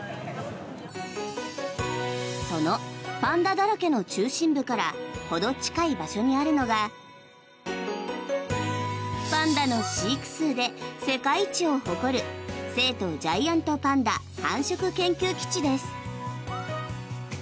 そのパンダだらけの中心部からほど近い場所にあるのがパンダの飼育数で世界一を誇る成都ジャイアントパンダ繁殖研究基地です。